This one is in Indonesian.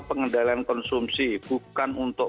pengendalian konsumsi bukan untuk